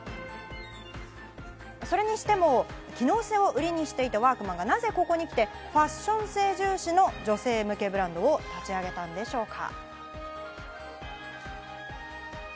それにしても、機能性を売りにしていたワークマンがなぜここにきて、ファッション性重視の女性向けブランドを立ち上げたんでしょうか？